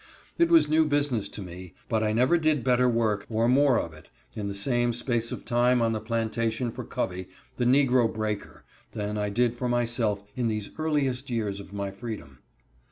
It was new business to me, but I never did better work, or more of it, in the same space of time on the plantation for Covey, the negro breaker, than I did for myself in these earliest years of my freedom.